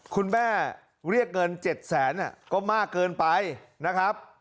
คุณแม่เรียกเงิน๗๐๐๐๐๐บาทก็มากเกินไปนะครับ